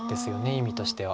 意味としては。